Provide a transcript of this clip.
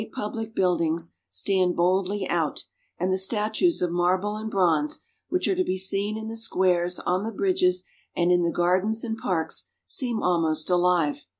public buildings stand boldly out, and the statues of marble and bronze, which are to be seen in the squares, on the bridges, and in the gardens and parks, seem almost alive.